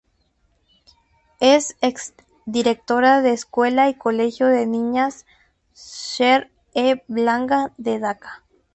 Es ex directora de "Escuela y Colegio de Niñas Sher-e-Bangla" de Daca.